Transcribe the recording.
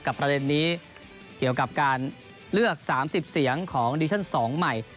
ประเด็นนี้เกี่ยวกับการเลือก๓๐เสียงของดิชั่น๒ใหม่